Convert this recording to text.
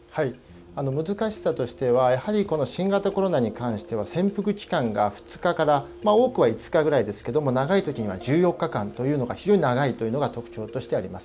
難しさとしてはこの新型コロナに関しては潜伏期間が２日から多くは５日ぐらいですけども長いときには１４日間というような非常に長いというのが特徴としてあります。